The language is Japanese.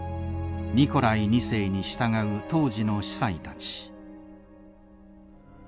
ニコライ２世に従う当時の司祭たち。